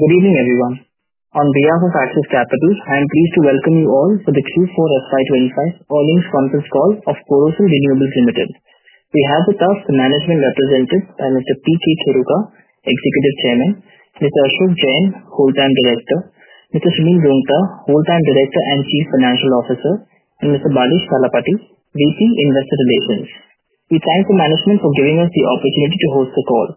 Good evening, everyone. On behalf of Axis Capital, I am pleased to welcome you all to the Q4 FY 2025 earnings conference call of Borosil Renewables Limited. We have with us the management representative, Mr. P. K. Kheruka, Executive Chairman; Mr. Ashok Jain, Whole-time Director; Mr. Sunil Roongta, Whole-time Director and Chief Financial Officer; and Mr. Balesh Talapady, VP, Investor Relations. We thank the management for giving us the opportunity to host the call.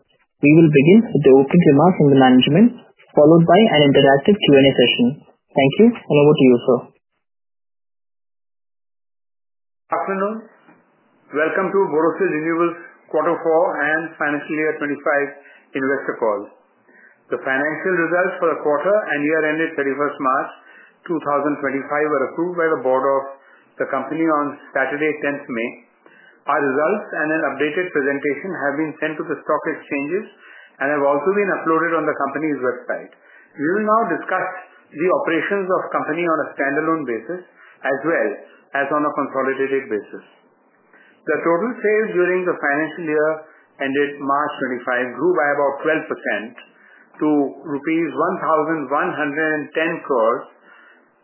We will begin with the opening remarks from the management, followed by an interactive Q&A session. Thank you, and over to you, sir. Good afternoon. Welcome to Borosil Renewables Q4 and Financial Year 2025 Investor Call. The financial results for the quarter and year ended 31st March 2025 were approved by the board of the company on Saturday, 10th May. Our results and an updated presentation have been sent to the stock exchanges and have also been uploaded on the company's website. We will now discuss the operations of the company on a standalone basis as well as on a consolidated basis. The total sales during the financial year ended March 2025 grew by about 12% to rupees 1,110 crore,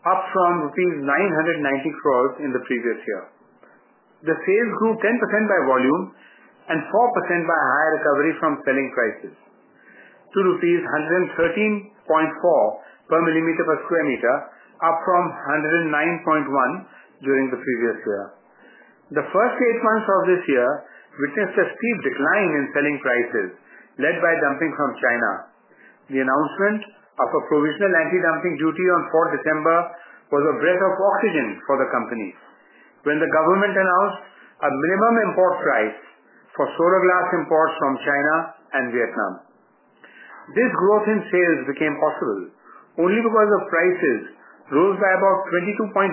up from rupees 990 crore in the previous year. The sales grew 10% by volume and 4% by higher recovery from selling prices to rupees 113.4 per millimeter per square meter, up from 109.1 during the previous year. The first eight months of this year witnessed a steep decline in selling prices, led by dumping from China. The announcement of a provisional anti-dumping duty on December 4 was a breath of oxygen for the company when the government announced a minimum import price for solar glass imports from China and Vietnam. This growth in sales became possible only because prices rose by about 22.1%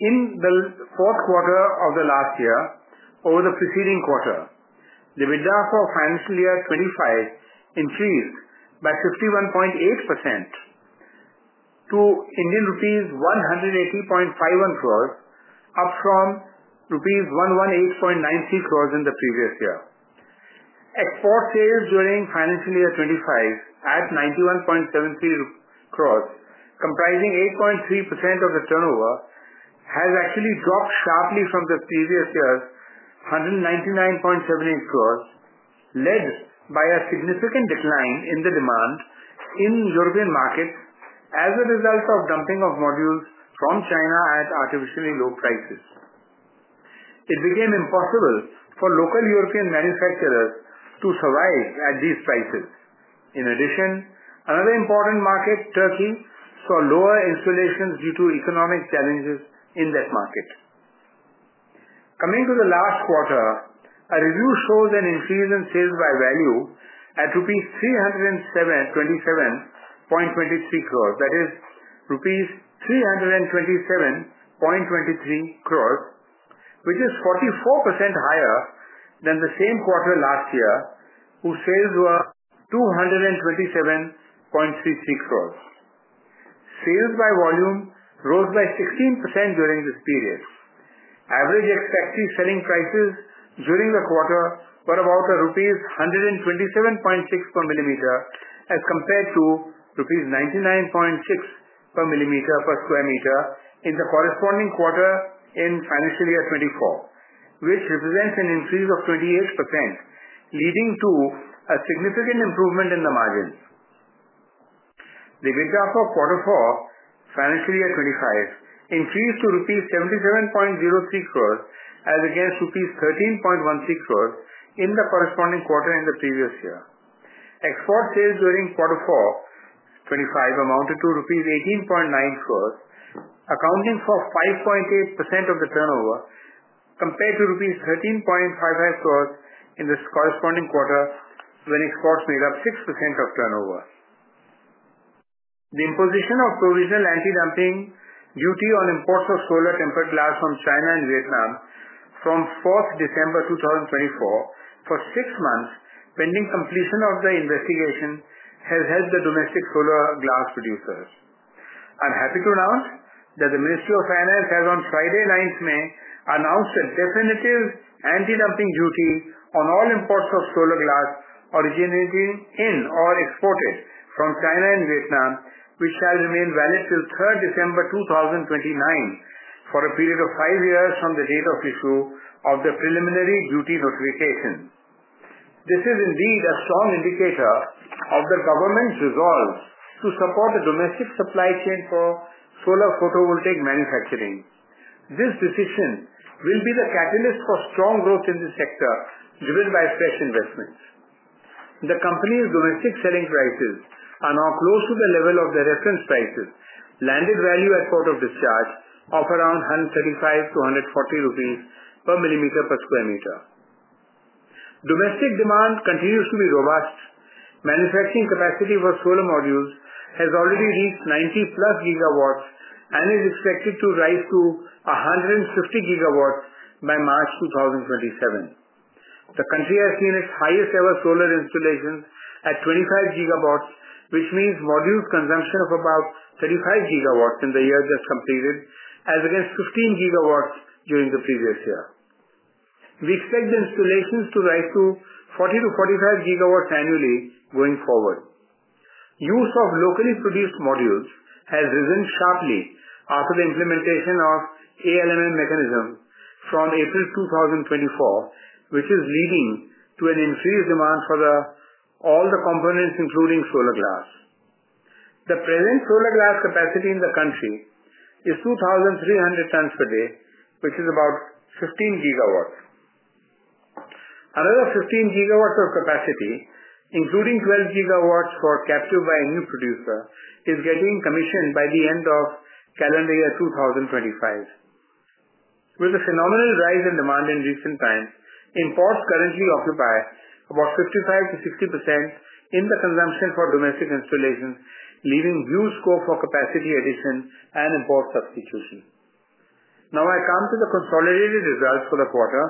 in the fourth quarter of the last year over the preceding quarter. The EBITDA for financial year 2025 increased by 51.8% to Indian rupees 180.51 crore, up from rupees 118.93 crore in the previous year. Export sales during financial year 2025 at 91.73 crore, comprising 8.3% of the turnover, has actually dropped sharply from the previous year's 199.78 crore, led by a significant decline in the demand in European markets as a result of dumping of modules from China at artificially low prices. It became impossible for local European manufacturers to survive at these prices. In addition, another important market, Turkey, saw lower installations due to economic challenges in that market. Coming to the last quarter, a review shows an increase in sales by value at rupees 327.23 crores, that is rupees 327.23 crores, which is 44% higher than the same quarter last year, whose sales were 227.33 crores. Sales by volume rose by 16% during this period. Average expected selling prices during the quarter were about rupees 127.6 per millimeter as compared to rupees 99.6 per millimeter per square meter in the corresponding quarter in financial year 2024, which represents an increase of 28%, leading to a significant improvement in the margins. The EBITDA for Q4 financial year 2025 increased to rupees 77.03 crores as against rupees 13.13 crores in the corresponding quarter in the previous year. Export sales during Q4 2025 amounted to rupees 18.9 crore, accounting for 5.8% of the turnover compared to rupees 13.55 crore in the corresponding quarter when exports made up 6% of turnover. The imposition of provisional anti-dumping duty on imports of solar tempered glass from China and Vietnam from 4th December 2024 for six months pending completion of the investigation has helped the domestic solar glass producers. I'm happy to announce that the Ministry of Finance has on Friday, 9th May, announced a definitive anti-dumping duty on all imports of solar glass originating in or exported from China and Vietnam, which shall remain valid till 3rd December 2029 for a period of five years from the date of issue of the preliminary duty notification. This is indeed a strong indicator of the government's resolve to support the domestic supply chain for solar photovoltaic manufacturing. This decision will be the catalyst for strong growth in this sector driven by fresh investments. The company's domestic selling prices are now close to the level of the reference prices, landed value at port of discharge of around 135-140 rupees per millimeter per square meter. Domestic demand continues to be robust. Manufacturing capacity for solar modules has already reached 90+ GW and is expected to rise to 150 GW by March 2027. The country has seen its highest-ever solar installations at 25 GW, which means modules' consumption of about 35 GW in the year just completed as against 15 GW during the previous year. We expect the installations to rise to 40 GW-45 GW annually going forward. Use of locally produced modules has risen sharply after the implementation of ALMM mechanism from April 2024, which is leading to an increased demand for all the components, including solar glass. The present solar glass capacity in the country is 2,300 tons per day, which is about 15 GW. Another 15 GW of capacity, including 12 GW captured by a new producer, is getting commissioned by the end of calendar year 2025. With a phenomenal rise in demand in recent times, imports currently occupy about 55%-60% in the consumption for domestic installations, leaving huge scope for capacity addition and import substitution. Now I come to the consolidated results for the quarter,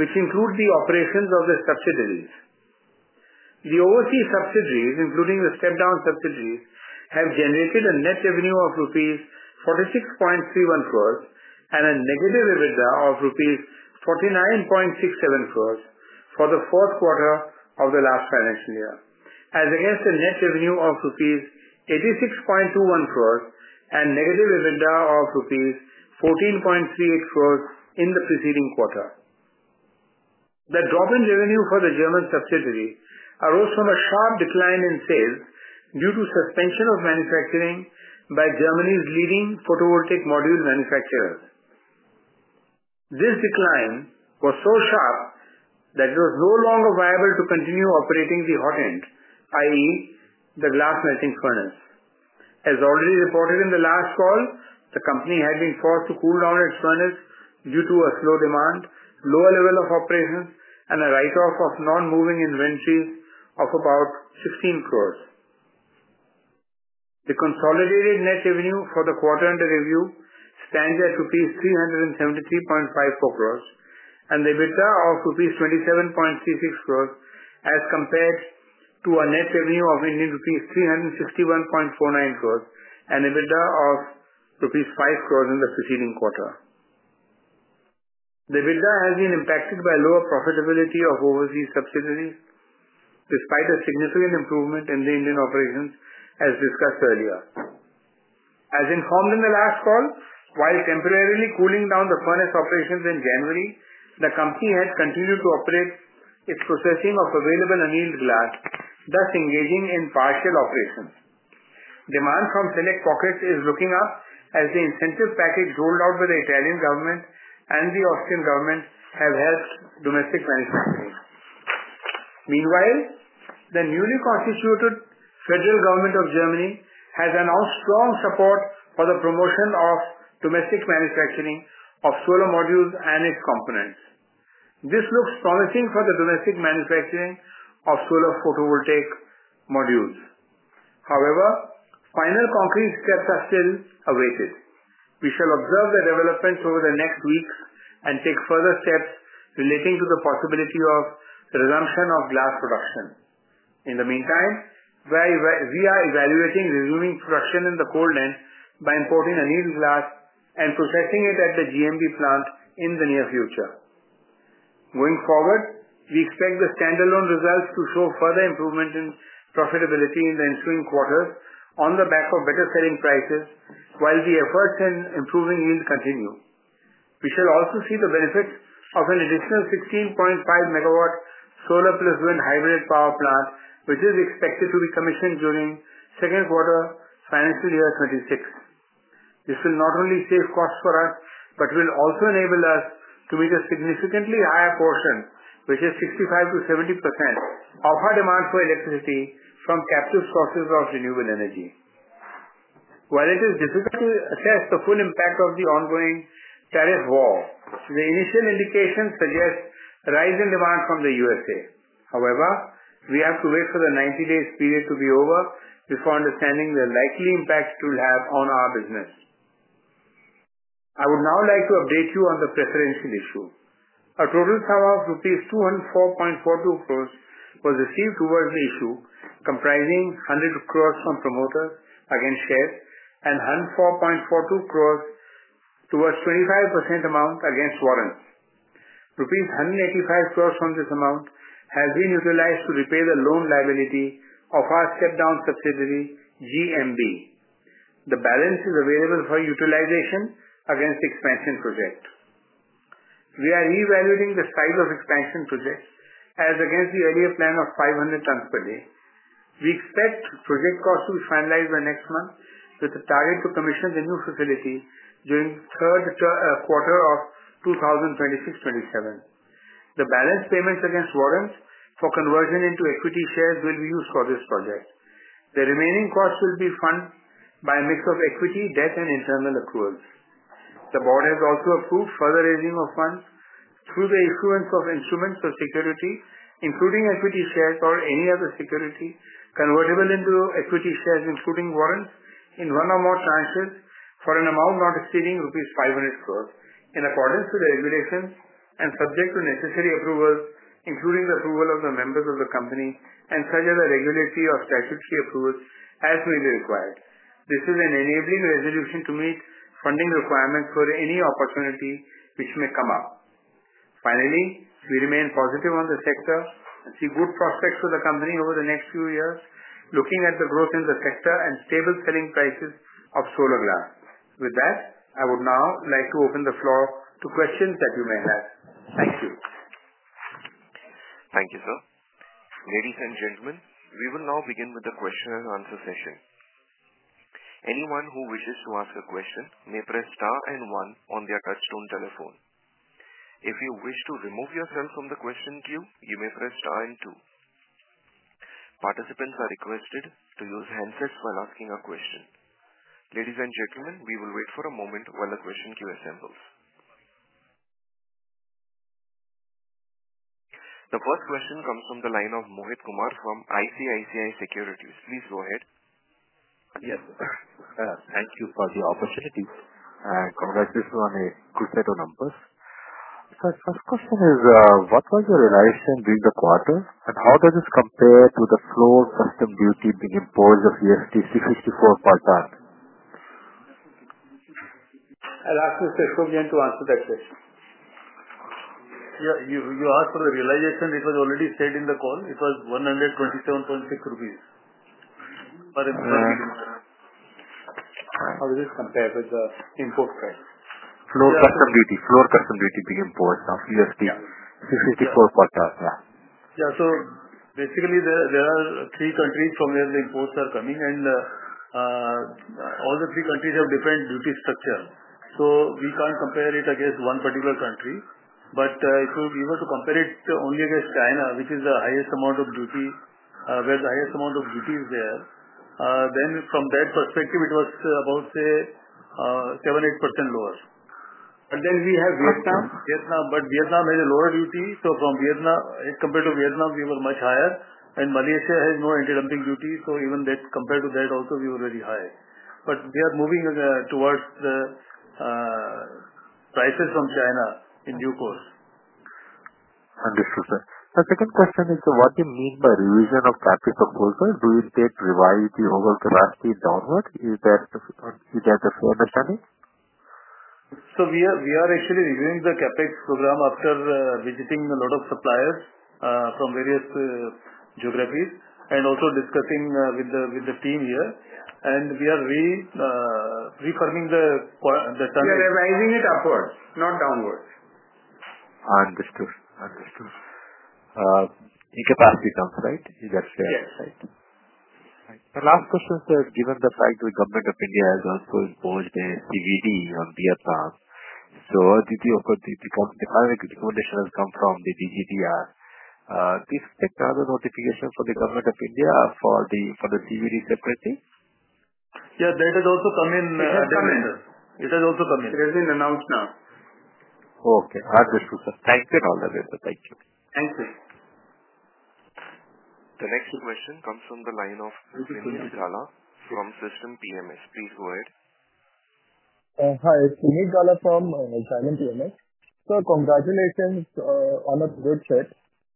which include the operations of the subsidiaries. The overseas subsidiaries, including the step-down subsidiaries, have generated a net revenue of rupees 46.31 crores and a negative EBITDA of rupees 49.67 crores for the fourth quarter of the last financial year, as against a net revenue of rupees 86.21 crores and negative EBITDA of rupees 14.38 crores in the preceding quarter. The drop in revenue for the German subsidiary arose from a sharp decline in sales due to suspension of manufacturing by Germany's leading photovoltaic module manufacturers. This decline was so sharp that it was no longer viable to continue operating the hot end, i.e., the glass melting furnace. As already reported in the last call, the company had been forced to cool down its furnace due to a slow demand, lower level of operations, and a write-off of non-moving inventories of about 16 crores. The consolidated net revenue for the quarter-end review stands at rupees 373.54 crores, and the EBITDA of rupees 27.36 crores as compared to a net revenue of Indian rupees 361.49 crores and EBITDA of rupees 5 crores in the preceding quarter. The EBITDA has been impacted by lower profitability of overseas subsidiaries, despite a significant improvement in the Indian operations as discussed earlier. As informed in the last call, while temporarily cooling down the furnace operations in January, the company had continued to operate its processing of available annealed glass, thus engaging in partial operations. Demand from select pockets is looking up as the incentive package rolled out by the Italian government and the Austrian government have helped domestic manufacturing. Meanwhile, the newly constituted federal government of Germany has announced strong support for the promotion of domestic manufacturing of solar modules and its components. This looks promising for the domestic manufacturing of solar photovoltaic modules. However, final concrete steps are still awaited. We shall observe the developments over the next weeks and take further steps relating to the possibility of resumption of glass production. In the meantime, we are evaluating resuming production in the cold end by importing annealed glass and processing it at the GMB plant in the near future. Going forward, we expect the standalone results to show further improvement in profitability in the ensuing quarters on the back of better selling prices while the efforts in improving yield continue. We shall also see the benefits of an additional 16.5 MW solar plus wind hybrid power plant, which is expected to be commissioned during second quarter financial year 2026. This will not only save costs for us but will also enable us to meet a significantly higher portion, which is 65%-70% of our demand for electricity from captive sources of renewable energy. While it is difficult to assess the full impact of the ongoing tariff war, the initial indications suggest a rise in demand from the U.S. However, we have to wait for the 90-day period to be over before understanding the likely impact it will have on our business. I would now like to update you on the preferential issue. A total sum of rupees 204.42 crore was received towards the issue, comprising 100 crore from promoters against shares and 104.42 crore towards 25% amount against warrants. Rupees 185 crore from this amount has been utilized to repay the loan liability of our step-down subsidiary, GMB. The balance is available for utilization against the expansion project. We are reevaluating the size of expansion project as against the earlier plan of 500 tons per day. We expect project costs to be finalized by next month with a target to commission the new facility during third quarter of 2026-2027. The balance payments against warrants for conversion into equity shares will be used for this project. The remaining costs will be funded by a mix of equity, debt, and internal accruals. The board has also approved further raising of funds through the issuance of instruments of security, including equity shares or any other security convertible into equity shares, including warrants in one or more tranches for an amount not exceeding rupees 500 crore, in accordance with the regulations and subject to necessary approvals, including the approval of the members of the company and such as a regulatory or statutory approval as may be required. This is an enabling resolution to meet funding requirements for any opportunity which may come up. Finally, we remain positive on the sector and see good prospects for the company over the next few years, looking at the growth in the sector and stable selling prices of solar glass. With that, I would now like to open the floor to questions that you may have. Thank you. Thank you, sir. Ladies and gentlemen, we will now begin with the question and answer session. Anyone who wishes to ask a question may press star and one on their touchstone telephone. If you wish to remove yourself from the question queue, you may press star and two. Participants are requested to use handsets while asking a question. Ladies and gentlemen, we will wait for a moment while the question queue assembles. The first question comes from the line of Mohit Kumar from ICICI Securities. Please go ahead. Yes. Thank you for the opportunity. Congratulations on a good set of numbers. The first question is, what was your realization during the quarter, and how does this compare to the floor custom duty being imposed of INR 364 per ton? I'll ask Mr. Ashok Jain to answer that question. You asked for the realization. It was already said in the call. It was 127.6 rupees. How does this compare with the import price? Floor custom duty. Floor custom duty being imposed of INR 364 per ton. Yeah. Yeah. Basically, there are three countries from where the imports are coming, and all the three countries have different duty structure. We can't compare it against one particular country. If we were to compare it only against China, which is where the highest amount of duty is there, then from that perspective, it was about 7%-8% lower. We have Vietnam, but Vietnam has a lower duty. From Vietnam, compared to Vietnam, we were much higher. Malaysia has no anti-dumping duty, so even compared to that also, we were very high. They are moving towards the prices from China in due course. Understood, sir. The second question is, what do you mean by revision of CapEx proposal? Do you take revised overall capacity downward? Is that a fair understanding? We are actually reviewing the CapEx program after visiting a lot of suppliers from various geographies and also discussing with the team here. We are reforming the turn. We are revising it upwards, not downwards. Understood. Understood. Incapacity comes, right? Is that fair? Yes. Right. The last question is, given the fact the Government of India has also imposed a CVD on Vietnam, so the final recommendation has come from the DGTR. Do you expect another notification from the Government of India for the CVD separately? Yeah. That has also come in. It has come in. It has also come in. It has been announced now. Okay. Understood, sir. Thank you. All the better. Thank you. Thank you. The next question comes from the line of Vineet Gala from Xylem PMS. Please go ahead. Hi. It's Vineet Gala from Xylem PMS. Sir, congratulations on a good set.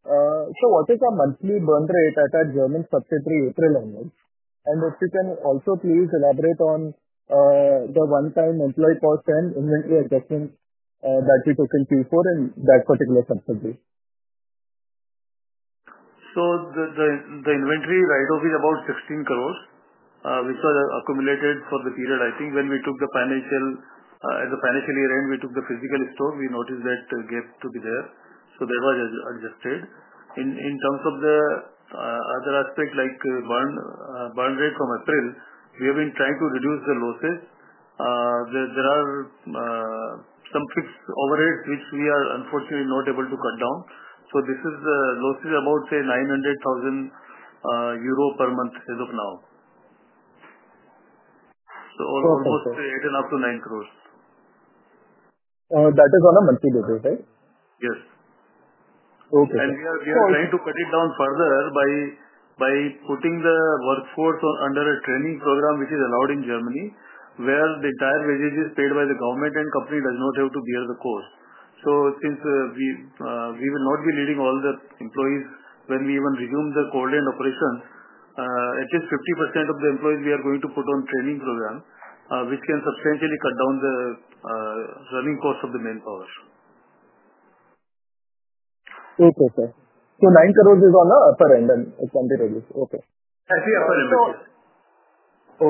What is our monthly burn rate at our German subsidiary April end? If you can also please elaborate on the one-time employee cost and inventory adjustment that we took in Q4 in that particular subsidiary. The inventory write-off is about 160,000,000, which was accumulated for the period. I think when we took the financial year end, we took the physical stock, we noticed that gap to be there. That was adjusted. In terms of the other aspect, like burn rate from April, we have been trying to reduce the losses. There are some fixed overheads, which we are unfortunately not able to cut down. This loss is about, say, 900,000 euro per month as of now. Almost 85,000,000-90,000,000. That is on a monthly basis, right? Yes. Okay. We are trying to cut it down further by putting the workforce under a training program, which is allowed in Germany, where the entire wage is paid by the government and the company does not have to bear the cost. Since we will not be needing all the employees when we even resume the cold end operations, at least 50% of the employees we are going to put on a training program, which can substantially cut down the running cost of the manpower. Okay, sir. 9 crore is on an upper end and it can be reduced. Okay. That is the upper end.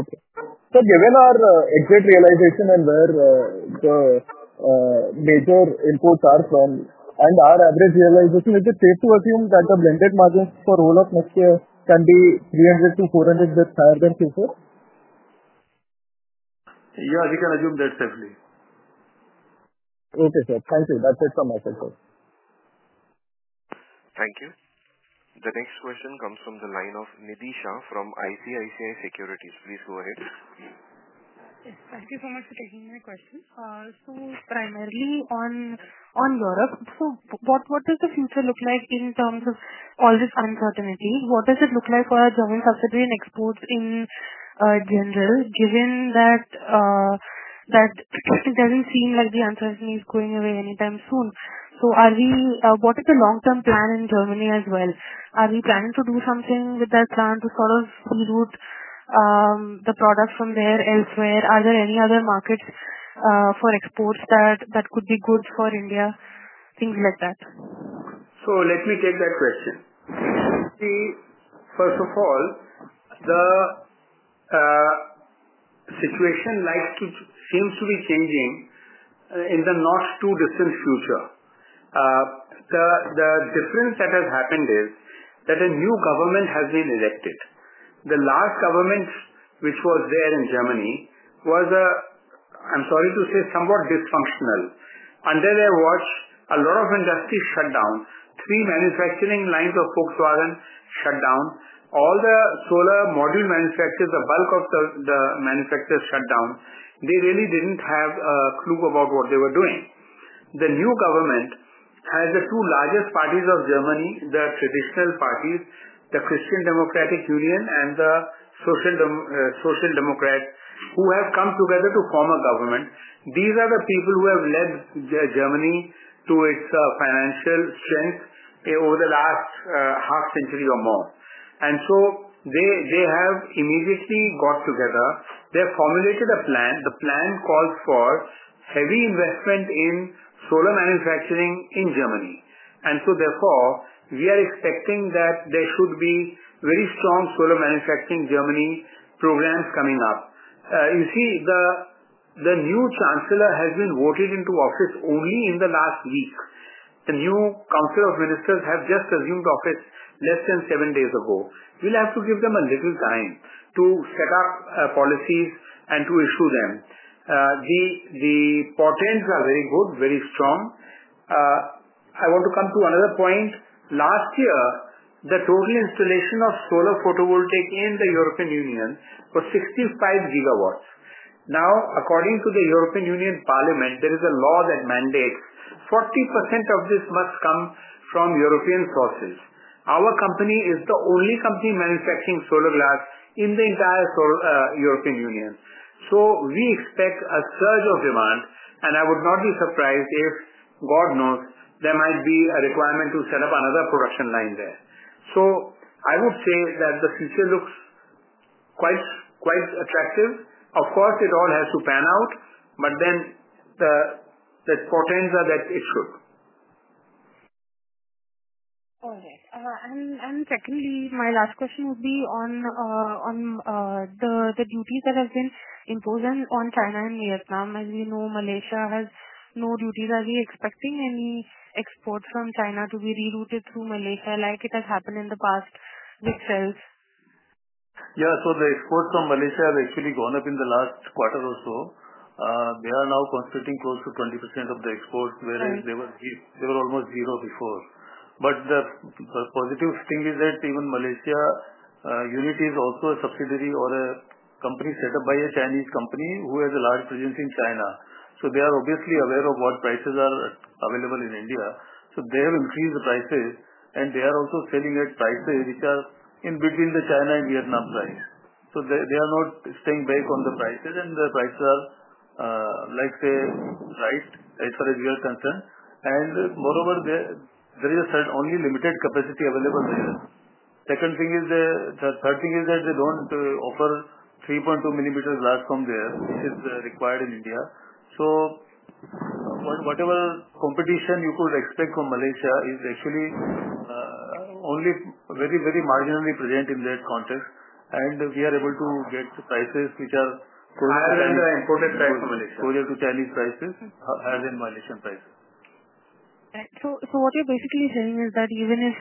Okay. Given our exit realization and where the major imports are from, and our average realization, is it safe to assume that the blended margins for roll-up next year can be 300-400 bps higher than Q4? Yeah. We can assume that safely. Okay, sir. Thank you. That's it from my side, sir. Thank you. The next question comes from the line of Nidhi Shah from ICICI Securities. Please go ahead. Thank you so much for taking my question. Primarily on Europe, what does the future look like in terms of all this uncertainty? What does it look like for our German subsidiary and exports in general, given that it does not seem like the uncertainty is going away anytime soon? What is the long-term plan in Germany as well? Are we planning to do something with that plan to sort of reroute the product from there elsewhere? Are there any other markets for exports that could be good for India, things like that? Let me take that question. First of all, the situation seems to be changing in the not-too-distant future. The difference that has happened is that a new government has been elected. The last government which was there in Germany was, I'm sorry to say, somewhat dysfunctional. Under their watch, a lot of industries shut down. Three manufacturing lines of Volkswagen shut down. All the solar module manufacturers, the bulk of the manufacturers shut down. They really didn't have a clue about what they were doing. The new government has the two largest parties of Germany, the traditional parties, the Christian Democratic Union and the Social Democrats, who have come together to form a government. These are the people who have led Germany to its financial strength over the last half century or more. They have immediately got together. They have formulated a plan. The plan calls for heavy investment in solar manufacturing in Germany. Therefore, we are expecting that there should be very strong solar manufacturing Germany programs coming up. You see, the new chancellor has been voted into office only in the last week. The new council of ministers have just assumed office less than seven days ago. We will have to give them a little time to set up policies and to issue them. The portents are very good, very strong. I want to come to another point. Last year, the total installation of solar photovoltaic in the European Union was 65 GW. Now, according to the European Union Parliament, there is a law that mandates 40% of this must come from European sources. Our company is the only company manufacturing solar glass in the entire European Union. We expect a surge of demand, and I would not be surprised if, God knows, there might be a requirement to set up another production line there. I would say that the future looks quite attractive. Of course, it all has to pan out, but the portents are that it should. All right. Secondly, my last question would be on the duties that have been imposed on China and Vietnam. As you know, Malaysia has no duties. Are we expecting any exports from China to be rerouted through Malaysia like it has happened in the past with sales? Yeah. The exports from Malaysia have actually gone up in the last quarter or so. They are now constituting close to 20% of the exports, whereas they were almost zero before. The positive thing is that even Malaysia unit is also a subsidiary or a company set up by a Chinese company who has a large presence in China. They are obviously aware of what prices are available in India. They have increased the prices, and they are also selling at prices which are in between the China and Vietnam price. They are not staying back on the prices, and the prices are, like, right as far as we are concerned. Moreover, there is only limited capacity available there. The second thing is, the third thing is that they do not offer 3.2 millimeter glass from there, which is required in India. Whatever competition you could expect from Malaysia is actually only very, very marginally present in that context. We are able to get prices which are closer than the imported price from Malaysia, closer to Chinese prices as in Malaysian prices. Right. What you are basically saying is that even if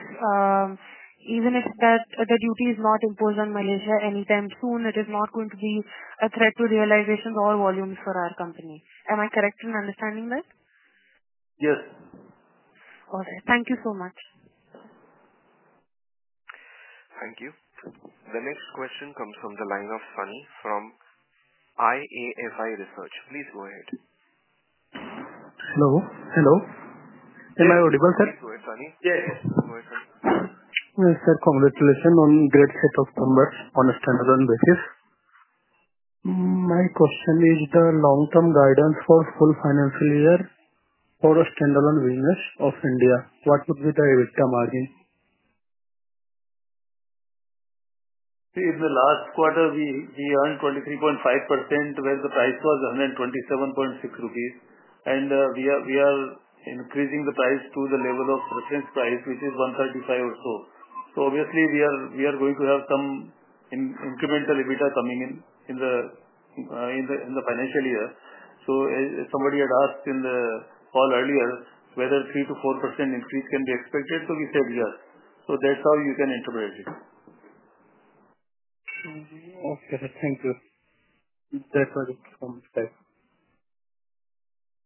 the duty is not imposed on Malaysia anytime soon, it is not going to be a threat to realizations or volumes for our company. Am I correct in understanding that? Yes. All right. Thank you so much. Thank you. The next question comes from the line of Soni from IAFI Research. Please go ahead. Hello. Am I audible, sir? Yes. Go ahead, Sunny. Yes. Go ahead, Sunny. Yes, sir. Congratulations on great set of numbers on a standalone basis. My question is the long-term guidance for full financial year for a standalone business of India. What would be the EBITDA margin? In the last quarter, we earned 23.5%, where the price was 127.6 rupees. We are increasing the price to the level of reference price, which is 135 or so. Obviously, we are going to have some incremental EBITDA coming in the financial year. Somebody had asked in the call earlier whether 3%-4% increase can be expected. We said yes. That is how you can interpret it. Okay. Thank you. That is all from my side.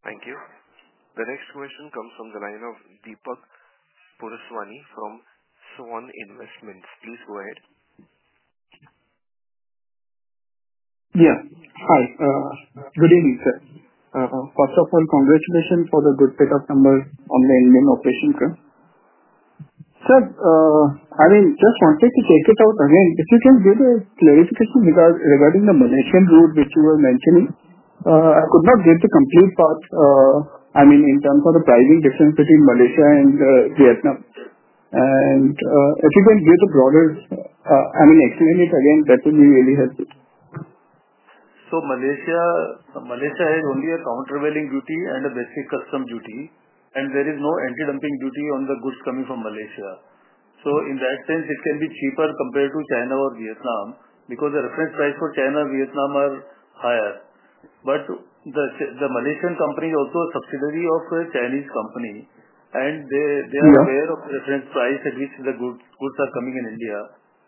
Thank you. The next question comes from the line of Deepak Purswani from Swan Investments. Please go ahead. Yeah. Hi. Good evening, sir. First of all, congratulations for the good set of numbers on the Indian operation, sir. Sir, I mean, just wanted to check it out again. If you can give a clarification regarding the Malaysian route which you were mentioning, I could not get the complete part, I mean, in terms of the pricing difference between Malaysia and Vietnam. If you can give the broader, I mean, explain it again, that would be really helpful. Malaysia has only a countervailing duty and a basic customs duty, and there is no anti-dumping duty on the goods coming from Malaysia. In that sense, it can be cheaper compared to China or Vietnam because the reference price for China and Vietnam are higher. The Malaysian company is also a subsidiary of a Chinese company, and they are aware of the reference price at which the goods are coming in India.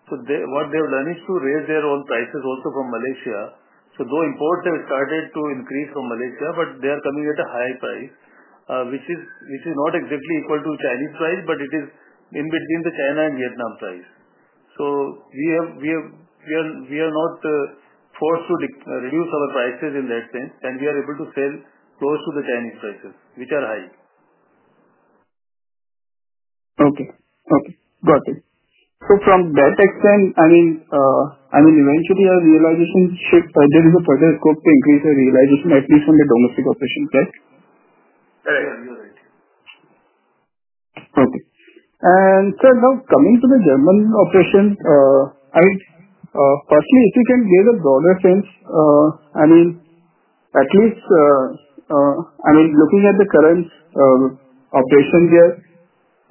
What they have done is to raise their own prices also from Malaysia. Though imports have started to increase from Malaysia, they are coming at a high price, which is not exactly equal to Chinese price, but it is in between the China and Vietnam price. We are not forced to reduce our prices in that sense, and we are able to sell close to the Chinese prices, which are high. Okay. Okay. Got it. From that extent, I mean, eventually, there is a further scope to increase the realization, at least on the domestic operations, right? Correct. You're right. Okay. Sir, now coming to the German operation, personally, if you can give a broader sense, I mean, at least, I mean, looking at the current operation here,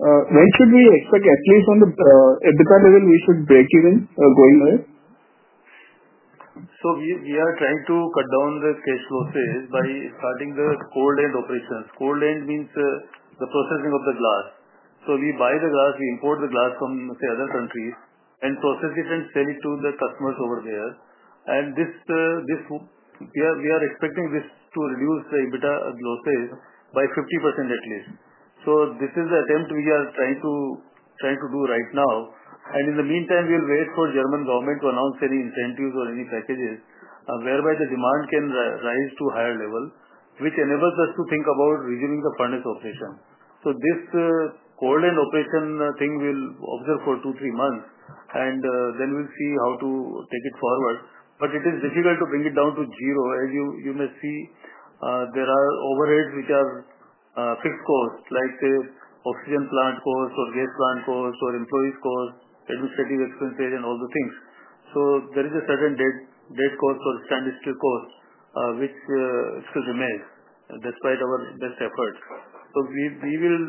when should we expect, at least on the EBITDA level, we should break even going ahead? We are trying to cut down the cash losses by starting the cold end operations. Cold end means the processing of the glass. We buy the glass, we import the glass from, say, other countries, and process it and sell it to the customers over there. We are expecting this to reduce the EBITDA losses by 50% at least. This is the attempt we are trying to do right now. In the meantime, we'll wait for the German government to announce any incentives or any packages whereby the demand can rise to a higher level, which enables us to think about resuming the furnace operation. This cold end operation thing we'll observe for two or three months, and then we'll see how to take it forward. It is difficult to bring it down to zero. As you may see, there are overheads which are fixed costs, like, say, oxygen plant costs or gas plant costs or employees' costs, administrative expenses, and all the things. There is a certain dead cost or standstill cost, which remains despite our best efforts. We will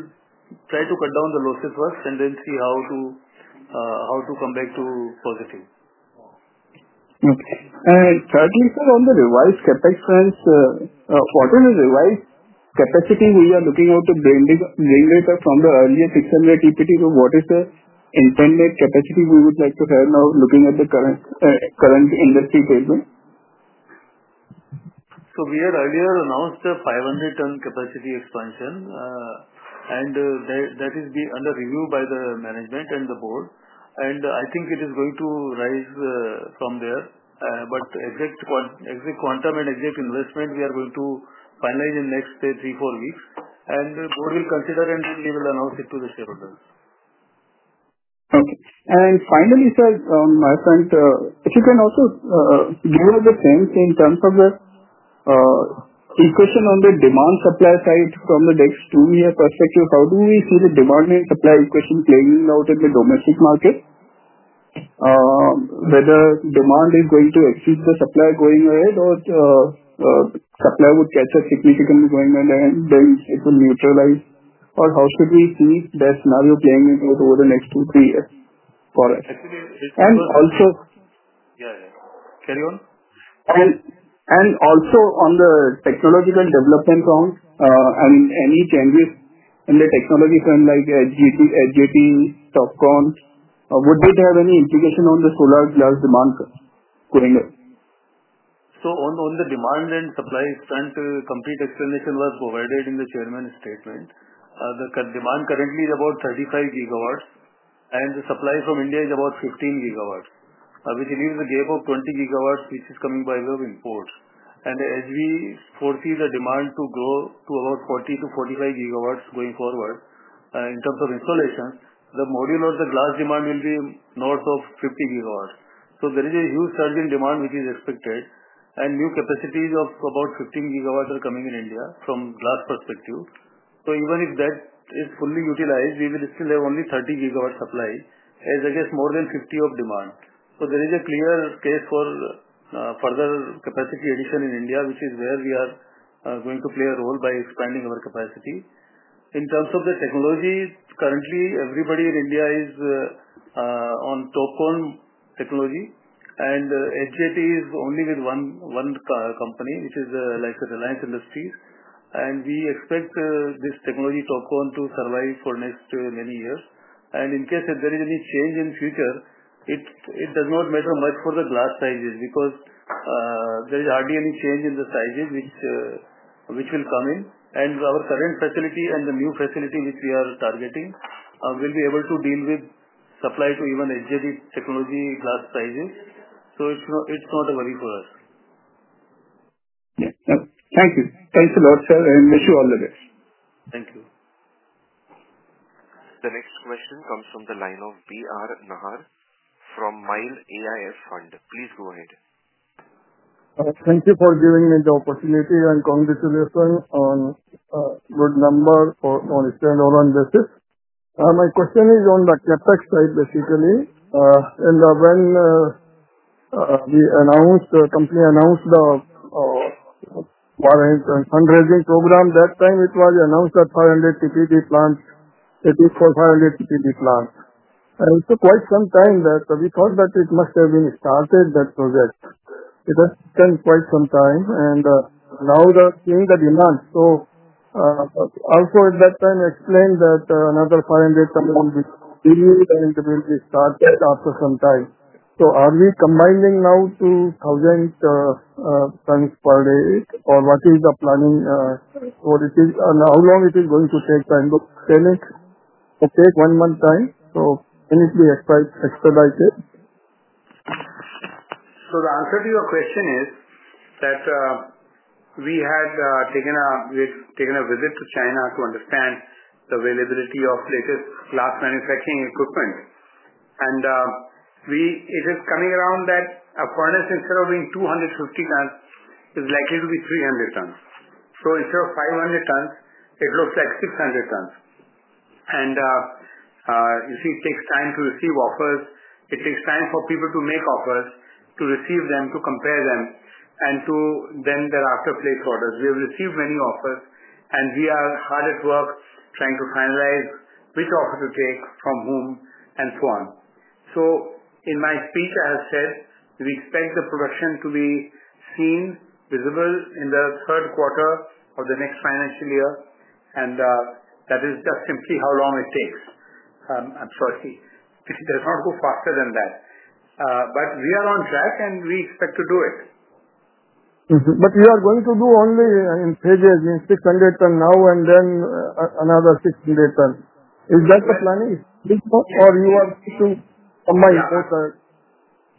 try to cut down the losses first and then see how to come back to positive. Okay. Thirdly, sir, on the revised CapEx, what is the revised capacity we are looking at to bring it up from the earlier 600 TPD? What is the intended capacity we would like to have now, looking at the current industry statement? We had earlier announced a 500-ton capacity expansion, and that is under review by the management and the board. I think it is going to rise from there, but the exact quantum and exact investment, we are going to finalize in the next, say, three or four weeks. The board will consider, and then we will announce it to the shareholders. Okay. Finally, sir, my friend, if you can also give us the sense in terms of the equation on the demand-supply side from the next two-year perspective, how do we see the demand and supply equation playing out in the domestic market? Whether demand is going to exceed the supply going ahead, or supply would catch up significantly going ahead, and then it will neutralize? How should we see that scenario playing out over the next two, three years for us? Also, yeah, carry on. Also, on the technological development front, I mean, any changes in the technology front, like SGT, TOPCon, would it have any implication on the solar glass demand going ahead? On the demand and supply front, complete explanation was provided in the Chairman's statement. The demand currently is about 35 GW, and the supply from India is about 15 GW, which leaves a gap of 20 GW, which is coming by way of imports. As we foresee the demand to grow to about 40 GW-45 GW going forward, in terms of installations, the module or the glass demand will be north of 50 GW. There is a huge surge in demand which is expected, and new capacities of about 15 GW are coming in India from a glass perspective. Even if that is fully utilized, we will still have only 30 GW supply, as against more than 50 of demand. There is a clear case for further capacity addition in India, which is where we are going to play a role by expanding our capacity. In terms of the technology, currently, everybody in India is on Topcon technology, and SGT is only with one company, which is like Reliance Industries. We expect this technology, Topcon, to survive for the next many years. In case if there is any change in the future, it does not matter much for the glass sizes because there is hardly any change in the sizes which will come in. Our current facility and the new facility which we are targeting will be able to deal with supply to even SGT technology glass sizes. It is not a worry for us. Yeah. Thank you. Thanks a lot, sir, and wish you all the best. Thank you. The next question comes from the line of B. R. Nahar from Mili AIF Fund. Please go ahead. Thank you for giving me the opportunity and congratulations on a good number on a standalone basis. My question is on the CapEx side, basically. When the company announced the fundraising program, that time it was announced that 500 TPD plants—it is for 500 TPD plants. It took quite some time that we thought that it must have been started, that project. It has spent quite some time, and now the demand. Also, at that time, explained that another 500 tons will be started after some time. Are we combining now to 1,000 tons per day, or what is the planning for it? How long is it going to take? I'm explaining it will take one month time, can it be expedited? The answer to your question is that we had taken a visit to China to understand the availability of latest glass manufacturing equipment. It is coming around that a furnace, instead of being 250 tons, is likely to be 300 tons. Instead of 500 tons, it looks like 600 tons. You see, it takes time to receive offers. It takes time for people to make offers, to receive them, to compare them, and to then thereafter place orders. We have received many offers, and we are hard at work trying to finalize which offer to take, from whom, and so on. In my speech, I have said we expect the production to be seen, visible in the third quarter of the next financial year. That is just simply how long it takes. Absolutely. It does not go faster than that. We are on track, and we expect to do it. You are going to do only, in phases, 600 tons now and then another 600 tons. Is that the planning, or are you going to combine both?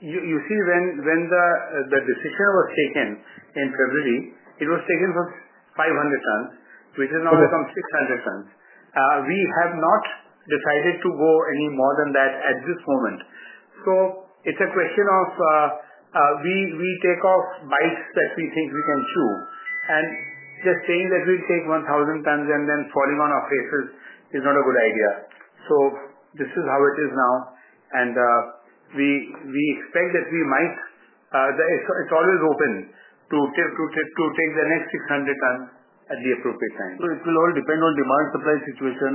You see, when the decision was taken in February, it was taken for 500 tons, which has now become 600 tons. We have not decided to go any more than that at this moment. It is a question of we take off bites that we think we can chew. Just saying that we will take 1,000 tons and then falling on our faces is not a good idea. This is how it is now. We expect that we might—it is always open to take the next 600 tons at the appropriate time. It will all depend on demand-supply situation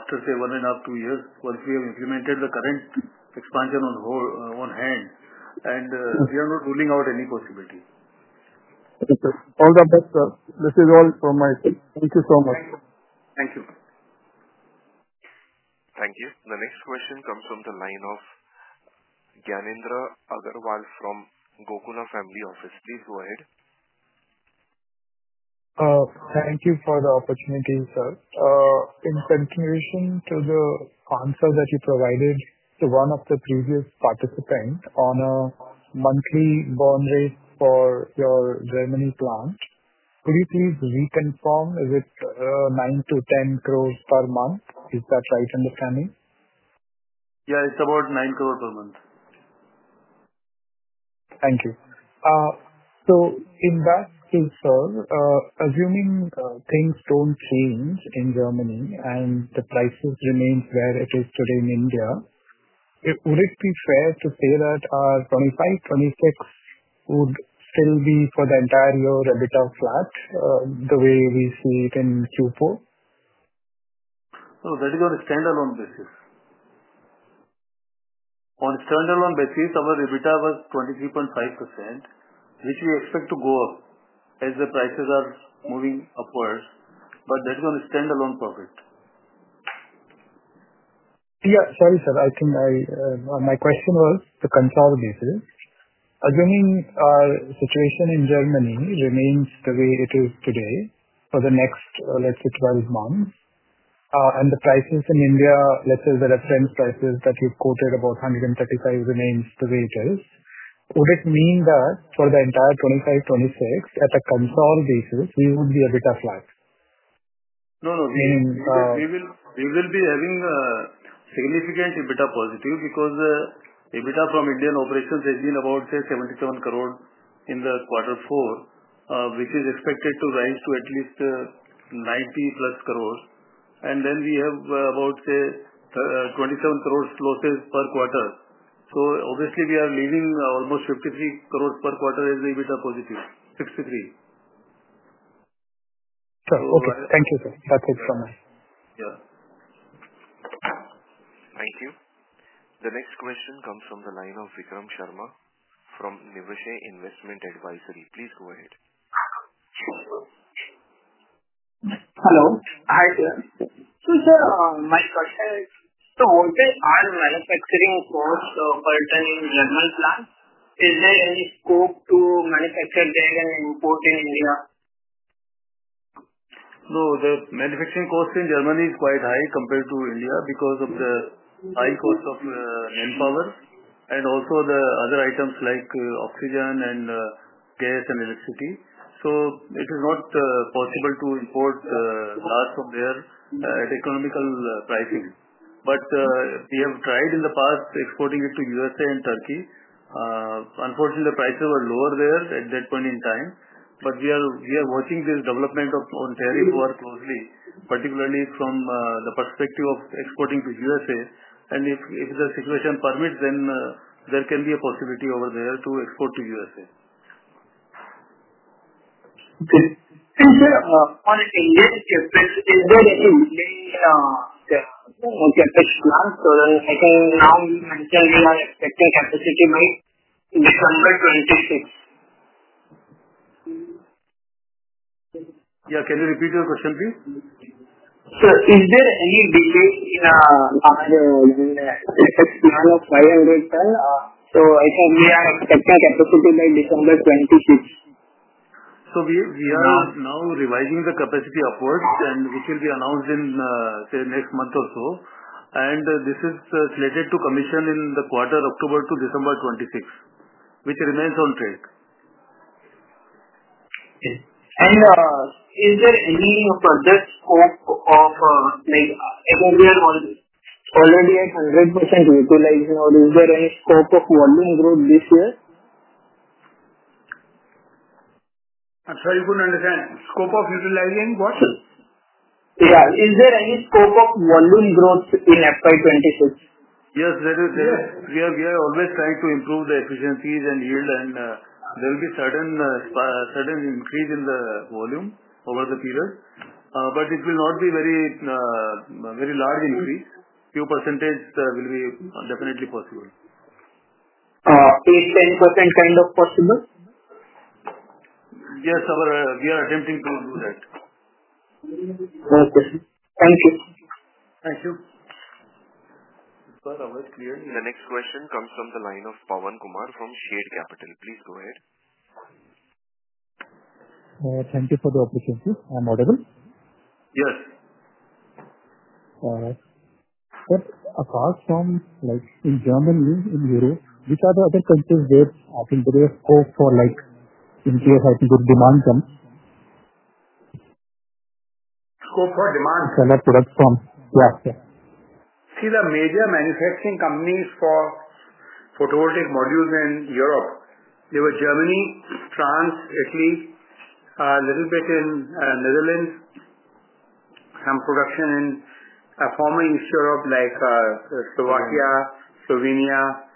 after, say, one and a half, two years, once we have implemented the current expansion on hand. We are not ruling out any possibility. All the best, sir. This is all from my side. Thank you so much. Thank you. Thank you. The next question comes from the line of Gyanendra Agarwal from Gokula Family Office. Please go ahead. Thank you for the opportunity, sir. In continuation to the answer that you provided to one of the previous participants on a monthly burn rate for your Germany plant, could you please reconfirm, is it 9 crores-10 crores per month? Is that right understanding? Yeah. It is about 9 crores per month. Thank you. In that case, sir, assuming things do not change in Germany and the prices remain where they are today in India, would it be fair to say that 2025-2026 would still be for the entire year EBITDA flat the way we see it in Q4? No, that is on a standalone basis. On a standalone basis, our EBITDA was 23.5%, which we expect to go up as the prices are moving upwards. That is on a standalone profit. Yeah. Sorry, sir. I think my question was the consolidation. Assuming our situation in Germany remains the way it is today for the next, let's say, 12 months, and the prices in India, let's say the reference prices that you quoted about 135, remain the way they are, would it mean that for the entire 2025-2026, at a consolidation basis, we would be EBITDA flat? No, no. We will be having significant EBITDA positive because EBITDA from Indian operations has been about, say, 77 crore in the quarter four, which is expected to rise to at least 90+ crore. And then we have about, say, 27 crore losses per quarter. Obviously, we are leaving almost 53 crore per quarter as the EBITDA +63. Sure. Okay. Thank you, sir. That's it from me. Yeah. Thank you. The next question comes from the line of Vikram Sharma from Niveshaay Investment Advisory. Please go ahead. Hello. Hi, sir. Sir, my question is, all the manufacturing costs per ton in German plant, is there any scope to manufacture there and import in India? No, the manufacturing cost in Germany is quite high compared to India because of the high cost of manpower and also the other items like oxygen and gas and electricity. It is not possible to import glass from there at economical pricing. We have tried in the past exporting it to the U.S. and Turkey. Unfortunately, the prices were lower there at that point in time. We are watching this development on tariffs very closely, particularly from the perspective of exporting to the U.S. If the situation permits, then there can be a possibility over there to export to the U.S. Okay. Sir, on an Indian CapEx, is there any main CapEx plan? I can now mention we are expecting capacity by December 2026. Yeah. Can you repeat your question, please? Sir, is there any delay in a CapEx plan of 500 tons? I think we are expecting capacity by December 2026. We are now revising the capacity upwards, which will be announced in, say, next month or so. This is slated to commission in the quarter October to December 2026, which remains on track. Is there any further scope of, like, we are already at 100% utilizing, or is there any scope of volume growth this year? I'm sorry, couldn't understand. Scope of utilizing what? Yeah. Is there any scope of volume growth in FY 2026? Yes, there is. We are always trying to improve the efficiencies and yield, and there will be a sudden increase in the volume over the period. It will not be a very large increase. A few percentages will be definitely possible. 8%-10% kind of possible? Yes. We are attempting to do that. Okay. Thank you. Thank you. It was overspear. The next question comes from the line of Pawan Kumar from Shade Capital. Please go ahead. Thank you for the opportunity. I'm audible? Yes. All right. Sir, apart from, like, in Germany, in Europe, which are the other countries where I think there is scope for, like, in case I think good demand comes? Scope for demand. Sell our products from. Yeah. See, the major manufacturing companies for photovoltaic modules in Europe, they were Germany, France, Italy, a little bit in Netherlands, some production in former East Europe, like Slovakia, Slovenia,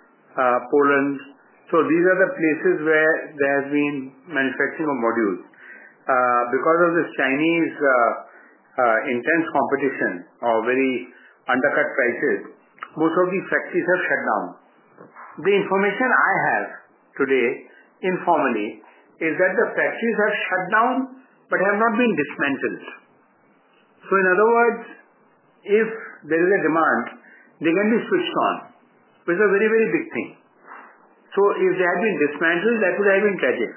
Poland. These are the places where there has been manufacturing of modules. Because of this Chinese intense competition or very undercut prices, most of these factories have shut down. The information I have today, informally, is that the factories have shut down but have not been dismantled. In other words, if there is a demand, they can be switched on, which is a very, very big thing. If they had been dismantled, that would have been tragic.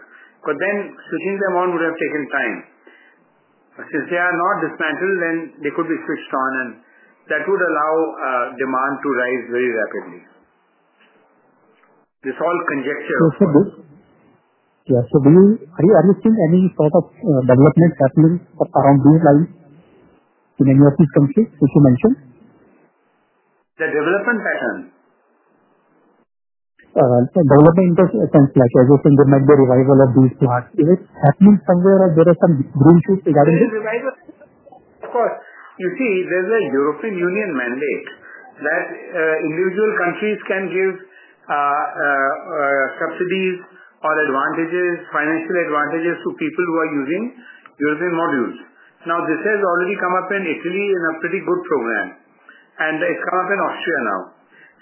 But then switching them on would have taken time. Since they are not dismantled, then they could be switched on, and that would allow demand to rise very rapidly. This is all conjecture. Yeah. Are you understanding any sort of development happening around these lines in any of these countries, which you mentioned? The development pattern? Development in the sense, like, as you said, there might be a revival of these plants. Is it happening somewhere, or there are some green shoots regarding this? Of course. You see, there is a European Union mandate that individual countries can give subsidies or advantages, financial advantages to people who are using European modules. Now, this has already come up in Italy in a pretty good program. It has come up in Austria now.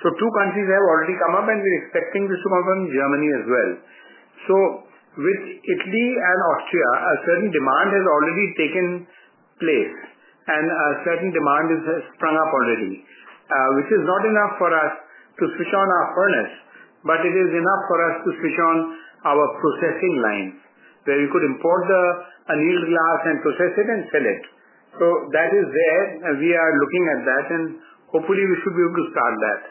Two countries have already come up, and we are expecting this to come up in Germany as well. With Italy and Austria, a certain demand has already taken place, and a certain demand has sprung up already, which is not enough for us to switch on our furnace, but it is enough for us to switch on our processing lines where we could import the annealed glass and process it and sell it. That is there, and we are looking at that, and hopefully, we should be able to start that.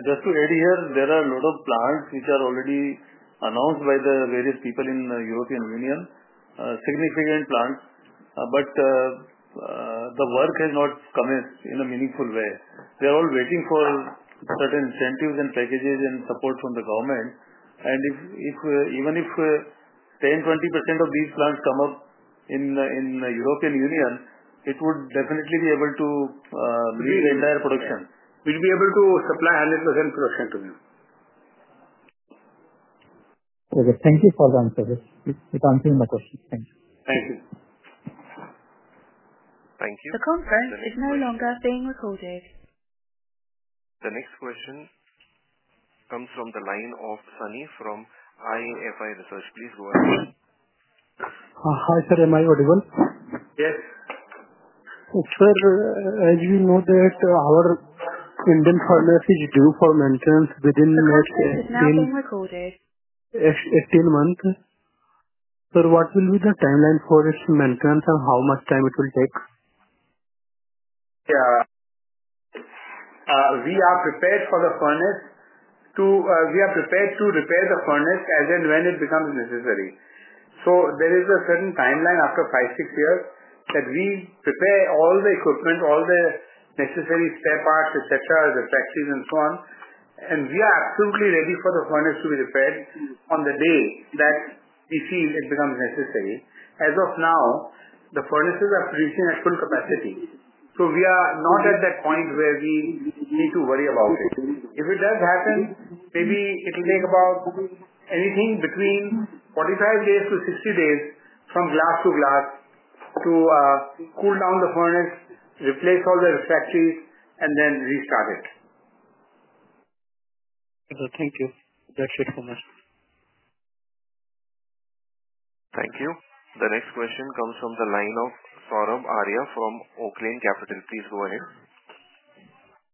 Just to add here, there are a lot of plants which are already announced by the various people in the European Union, significant plants. The work has not come in a meaningful way. They are all waiting for certain incentives and packages and support from the government. Even if 10%-20% of these plants come up in the European Union, it would definitely be able to bring the entire production. We'll be able to supply 100% production to you. Okay. Thank you for the answer. It answers my question. Thank you. Thank you. The conference is no longer being recorded. The next question comes from the line of Soni from IAFI Research. Please go ahead. Hi, sir. Am I audible? Yes. Sir, as you know, our Indian furnace is due for maintenance within next 18 months. Sir, what will be the timeline for its maintenance and how much time it will take? Yeah. We are prepared for the furnace to, we are prepared to repair the furnace as and when it becomes necessary. There is a certain timeline after five, six years that we prepare all the equipment, all the necessary spare parts, etc., the factories, and so on. We are absolutely ready for the furnace to be repaired on the day that we feel it becomes necessary. As of now, the furnaces are producing at full capacity. We are not at that point where we need to worry about it. If it does happen, maybe it'll take about anything between 45 days-60 days from glass to glass to cool down the furnace, replace all the refractories, and then restart it. Okay. Thank you. That's it from us. Thank you. The next question comes from the line of Sourabh Arya from Oaklane Capital. Please go ahead.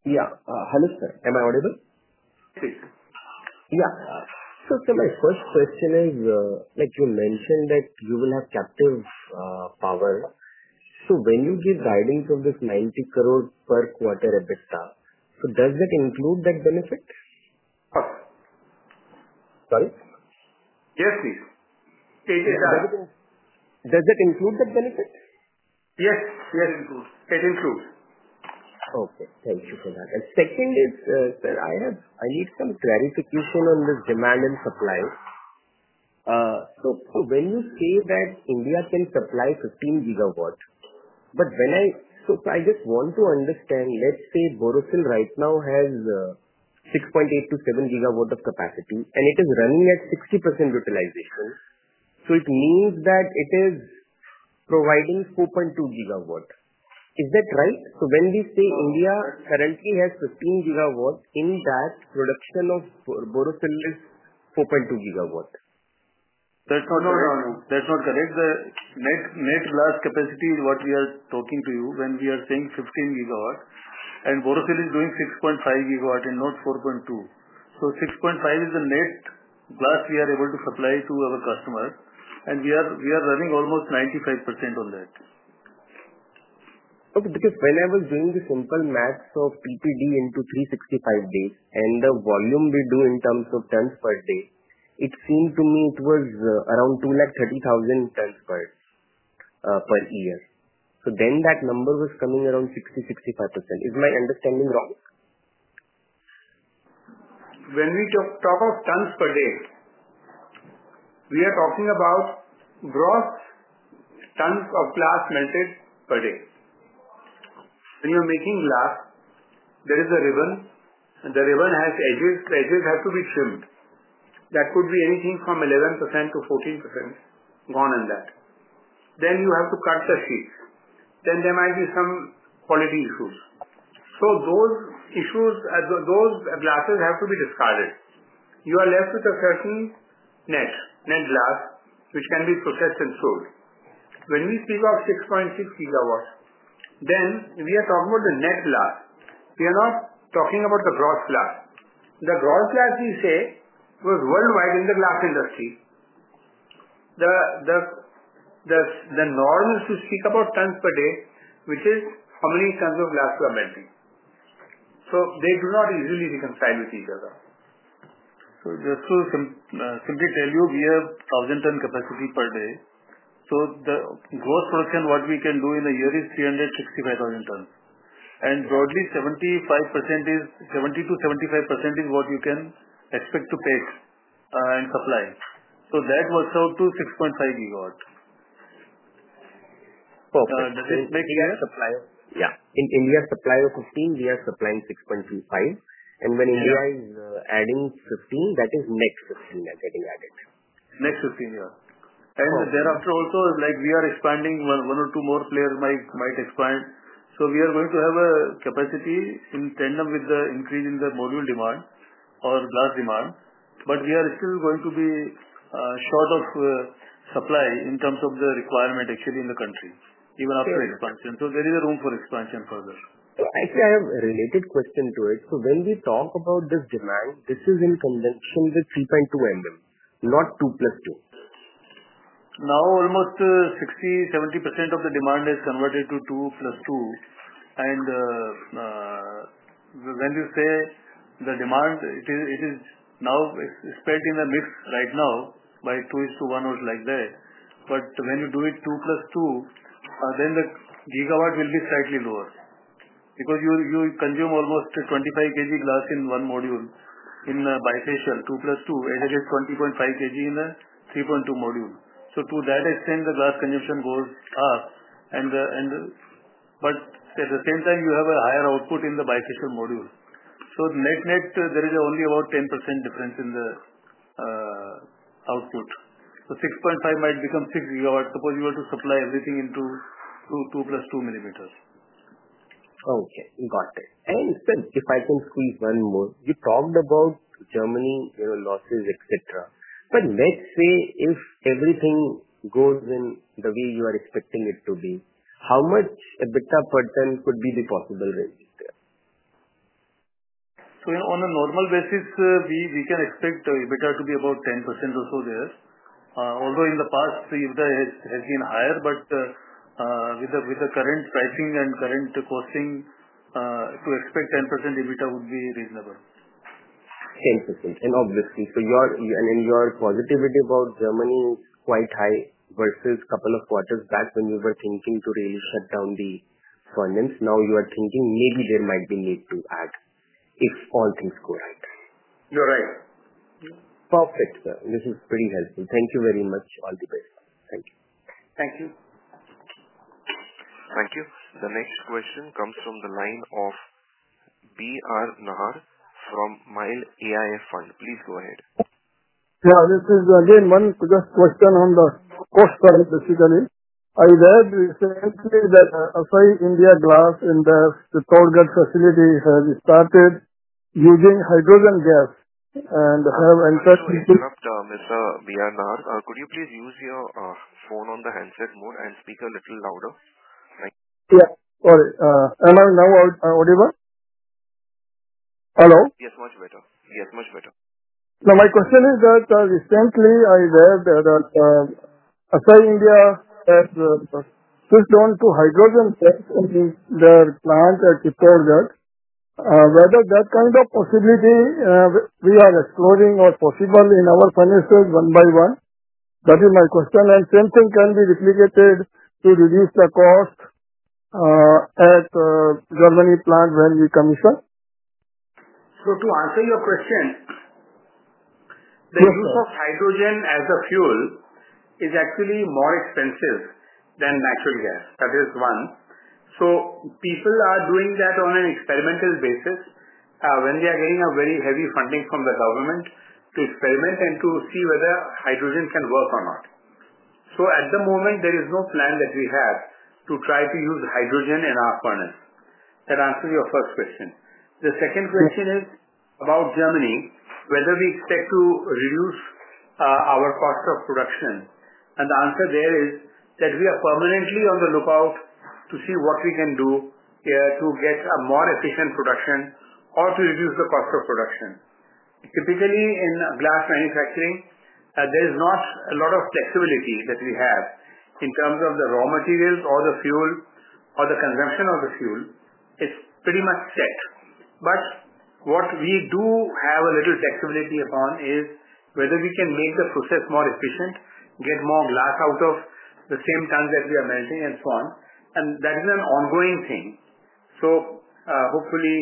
Yeah. Hello, sir. Am I audible? Yeah. Sir, my first question is, like you mentioned, that you will have captive power. When you give guidance of this 90 crore per quarter EBITDA, does that include that benefit? Sorry? Yes, please. It does. Does it include that benefit? Yes. Yes. It includes. Okay. Thank you for that. Second is, sir, I need some clarification on this demand and supply. When you say that India can supply 15 GW, I just want to understand, let's say Borosil right now has 6.8 GW-7 GW of capacity, and it is running at 60% utilization. It means that it is providing 4.2 GW. Is that right? When we say India currently has 15 GW, in that, production of Borosil is 4.2 GW. That's not correct. No, no, that's not correct. The net glass capacity is what we are talking to you when we are saying 15 GW. Borosil is doing 6.5 GW and not 4.2. 6.5 GW is the net glass we are able to supply to our customers. We are running almost 95% on that. Okay. Because when I was doing the simple maths of TPD into 365 days and the volume we do in terms of tons per day, it seemed to me it was around 230,000 tons per year. That number was coming around 60%-65%. Is my understanding wrong? When we talk of tons per day, we are talking about gross tons of glass melted per day. When you are making glass, there is a ribbon, and the ribbon has edges. The edges have to be trimmed. That could be anything from 11%-14% gone in that. You have to cut the sheets. There might be some quality issues. Those issues, those glasses have to be discarded. You are left with a certain net glass, which can be processed and sold. When we speak of 6.6 GW, then we are talking about the net glass. We are not talking about the gross glass. The gross glass, we say, was worldwide in the glass industry. The norm is to speak about tons per day, which is how many tons of glass you are melting. They do not easily reconcile with each other. Just to simply tell you, we have 1,000-ton capacity per day. The gross production we can do in a year is 365,000 tons. Broadly, 70%-75% is what you can expect to pick and supply. That works out to 6.5 GW. Okay. Does it make sense? We are supplying. Yeah. In India, supply of 15, we are supplying 6.25. When India is adding 15, that is next 15 getting added. Next 15, yeah. Thereafter also, like we are expanding, one or two more players might expand. We are going to have a capacity in tandem with the increase in the module demand or glass demand. We are still going to be short of supply in terms of the requirement, actually, in the country, even after expansion. There is a room for expansion further. Actually, I have a related question to it. When we talk about this demand, this is in conjunction with 3.2, not 2 + 2. Now, almost 60%-70% of the demand is converted to 2 + 2. When you say the demand, it is now split in a mix right now by 2:1 or like that. When you do it 2 + 2, then the gigawatt will be slightly lower because you consume almost 25 kg glass in one module in bifacial, 2 + 2, as it is 20.5 kg in a 3.2 module. To that extent, the glass consumption goes up. At the same time, you have a higher output in the bifacial module. Net net, there is only about 10% difference in the output. 6.5 might become 6 GW. Suppose you were to supply everything into 2 + 2 millimeters. Okay. Got it. Sir, if I can squeeze one more, you talked about Germany, you know, losses, etc. Let's say if everything goes in the way you are expecting it to be, how much EBITDA per ton could be the possible range there? On a normal basis, we can expect EBITDA to be about 10% or so there. Although in the past, EBITDA has been higher, but with the current pricing and current costing, to expect 10% EBITDA would be reasonable. 10%. Obviously, your positivity about Germany is quite high versus a couple of quarters back when you were thinking to really shut down the furnace. Now you are thinking maybe there might be need to add if all things go right. You're right. Perfect, sir. This is pretty helpful. Thank you very much. All the best. Thank you. Thank you. Thank you. The next question comes from the line of B.R. Nahar from Mili AIF Fund. Please go ahead. Yeah. This is again one just question on the cost decision. I read recently that Asahi India Glass in the Torgat facility has started using hydrogen gas and have entered into. Good afternoon, Mr. B.R. Nahar. Could you please use your phone on the handset mode and speak a little louder? Yeah. Sorry. Am I now audible? Hello? Yes, much better. Yes, much better. Now, my question is that recently I read that Asahi India Glass has switched on to hydrogen gas in their plant at Torgat. Whether that kind of possibility we are exploring or possible in our furnaces one by one, that is my question. Same thing can be replicated to reduce the cost at Germany plant when we commission? To answer your question, the use of hydrogen as a fuel is actually more expensive than natural gas. That is one. People are doing that on an experimental basis when they are getting very heavy funding from the government to experiment and to see whether hydrogen can work or not. At the moment, there is no plan that we have to try to use hydrogen in our furnace. That answers your first question. The second question is about Germany, whether we expect to reduce our cost of production. The answer there is that we are permanently on the lookout to see what we can do to get a more efficient production or to reduce the cost of production. Typically, in glass manufacturing, there is not a lot of flexibility that we have in terms of the raw materials or the fuel or the consumption of the fuel. It's pretty much set. What we do have a little flexibility upon is whether we can make the process more efficient, get more glass out of the same tons that we are melting, and so on. That is an ongoing thing. Hopefully,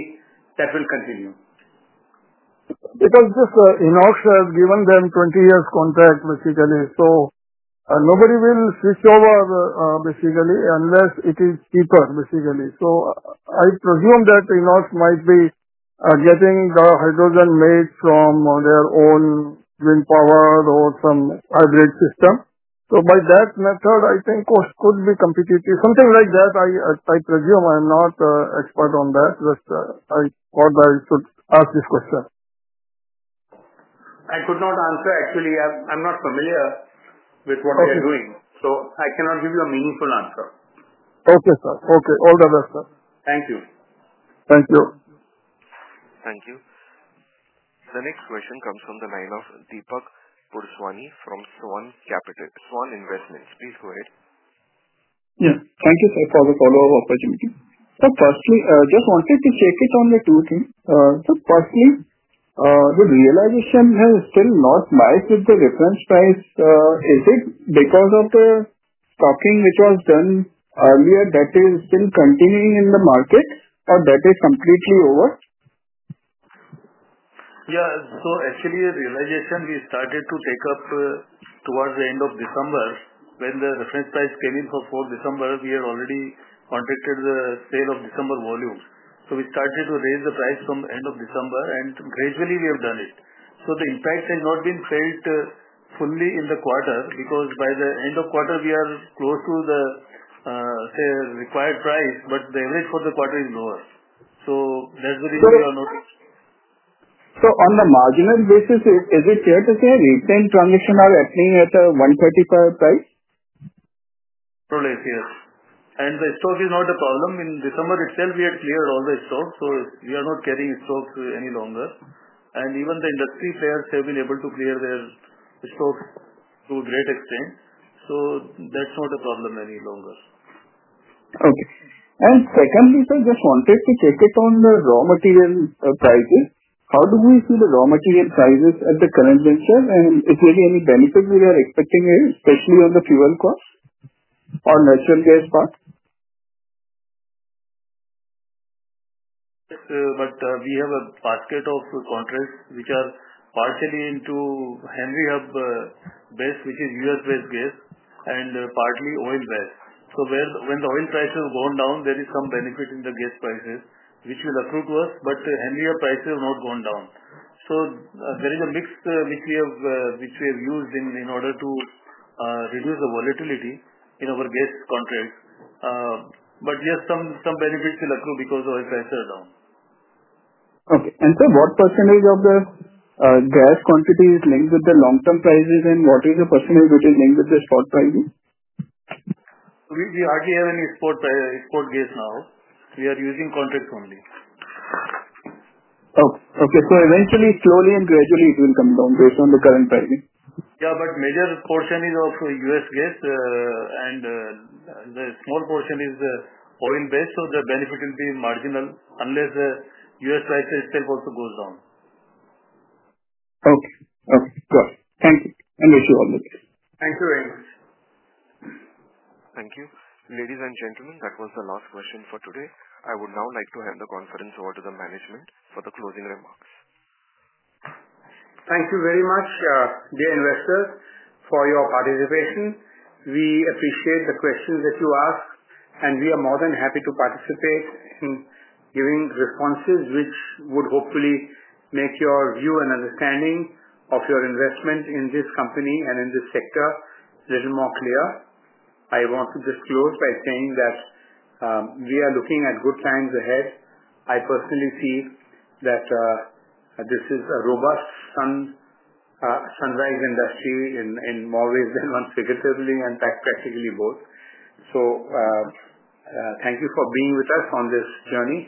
that will continue. Inox has given them a 20-year contract, basically. Nobody will switch over, basically, unless it is cheaper, basically. I presume that Inox might be getting the hydrogen made from their own wind power or some hybrid system. By that method, I think cost could be competitive. Something like that. I presume. I am not an expert on that. I just thought I should ask this question. I could not answer. Actually, I am not familiar with what they are doing. I cannot give you a meaningful answer. Okay, sir. Okay. All the best, sir. Thank you. Thank you. Thank you. The next question comes from the line of Deepak Purswani from Swan Investments. Please go ahead. Yeah. Thank you, sir, for the follow-up opportunity. Firstly, just wanted to check on two things. Firstly, the realization has still not matched with the reference price. Is it because of the stocking which was done earlier that is still continuing in the market, or is that completely over? Yeah. Actually, the realization we started to take up towards the end of December, when the reference price came in for 4 December, we had already contracted the sale of December volume. We started to raise the price from end of December, and gradually we have done it. The impact has not been felt fully in the quarter because by the end of the quarter, we are close to the required price, but the average for the quarter is lower. That is the reason we are noticing. On a marginal basis, is it fair to say recent transactions are happening at a 135 price? Probably yes. The stock is not a problem. In December itself, we had cleared all the stock. We are not carrying stock any longer. Even the industry players have been able to clear their stock to a great extent. That is not a problem any longer. Okay. Secondly, sir, just wanted to check on the raw material prices. How do we see the raw material prices at the current venture? Is there any benefit we are expecting, especially on the fuel cost or natural gas part? Yes, sir. But we have a basket of contracts which are partially into Henry Hub base, which is U.S.-based gas, and partly oil gas. When the oil price has gone down, there is some benefit in the gas prices, which will accrue to us. Henry Hub prices have not gone down. There is a mix which we have used in order to reduce the volatility in our gas contracts. Yes, some benefits will accrue because oil prices are down. Okay. Sir, what percentage of the gas quantity is linked with the long-term prices, and what is the percentage which is linked with the short prices? We hardly have any spot gas now. We are using contracts only. Okay. Eventually, slowly and gradually, it will come down based on the current pricing? Yeah. But major portion is of U.S. gas, and the small portion is oil-based. The benefit will be marginal unless U.S. prices itself also goes down. Okay. Okay. Good. Thank you. And wish you all the best. Thank you very much. Thank you. Ladies and gentlemen, that was the last question for today. I would now like to hand the conference over to the management for the closing remarks. Thank you very much, dear investors, for your participation. We appreciate the questions that you asked, and we are more than happy to participate in giving responses which would hopefully make your view and understanding of your investment in this company and in this sector a little more clear. I want to just close by saying that we are looking at good times ahead. I personally see that this is a robust sunrise industry in more ways than one figuratively and practically both. Thank you for being with us on this journey,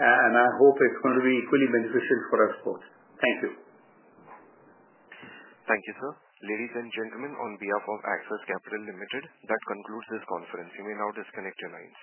and I hope it is going to be equally beneficial for us both. Thank you. Thank you, sir. Ladies and gentlemen, on behalf of Axis Capital Limited, that concludes this conference. You may now disconnect your lines.